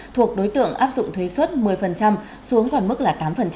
thuộc đối tượng áp dụng thuế xuất một mươi xuống còn mức là tám